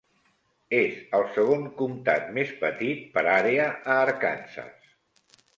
És el segon comtat més petit per àrea a Arkansas.